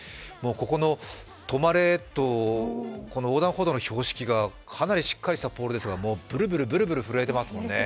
止まれと横断歩道の標識がかなりしっかりしたところですが、ぶるぶる震えていますもんね。